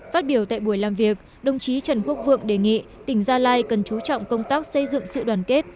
phát biểu tại buổi làm việc đồng chí trần quốc vượng đề nghị tỉnh gia lai cần chú trọng công tác xây dựng sự đoàn kết